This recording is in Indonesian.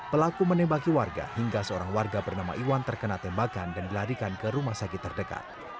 pelaku menembaki warga hingga seorang warga bernama iwan terkena tembakan dan dilarikan ke rumah sakit terdekat